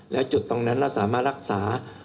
แล้วจุดตรงนั้นเราสามารถรักษา